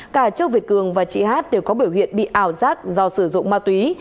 cả châu việt cường và chị hát đều có biểu hiện bị ảo giác do sử dụng ma túy